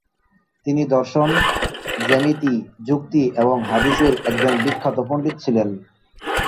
তিনি দর্শন, জ্যামিতি, যুক্তি এবং হাদিসের একজন বিখ্যাত পণ্ডিত ছিলেন।